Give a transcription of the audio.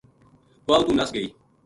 واہ اُتو نَس گئی